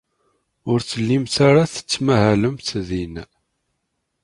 Ur tellimt ara tettmahalemt din.